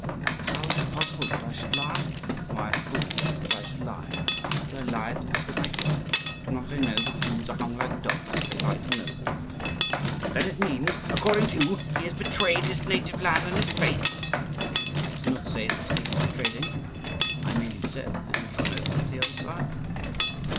"How is it possible that I should lie? Am I a fool, that I should lie? Would I lie at the risk of my head? Do not I know that Jews are hung like dogs if they lie to nobles?" "Then it means, according to you, he has betrayed his native land and his faith?" "I do not say that he has betrayed anything; I merely said that he had gone over to the other side."